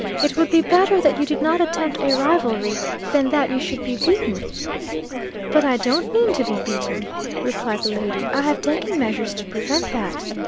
It would be better that you did not attempt a rivalry, than that you should be beaten." "But I don't mean to be beaten," replied the lady. "I have taken measures to prevent that.